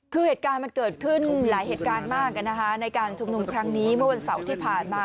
คือเหตุการณ์มันเกิดขึ้นหลายเหตุการณ์มากในการชุมนุมครั้งนี้เมื่อวันเสาร์ที่ผ่านมา